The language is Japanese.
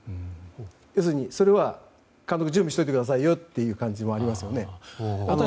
要するに、それは監督、準備しておいてくださいよということですよね。